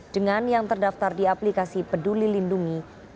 dengan yang terdaftar di aplikasi peduli lindungi